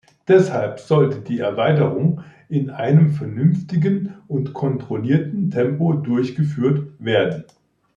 Deshalb sollte die Erweiterung in einem vernünftigen und kontrollierten Tempo durchgeführt werden.